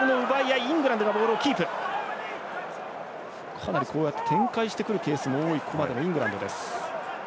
かなり展開してくるケースも多いここまでのイングランドです。